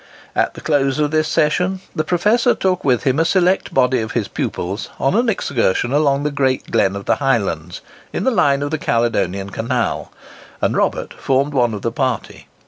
At the close of this session, the professor took with him a select body of his pupils on an excursion along the Great Glen of the Highlands, in the line of the Caledonian Canal, and Robert formed one of the party.